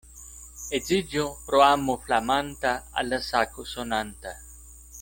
Edziĝo pro amo flamanta al la sako sonanta.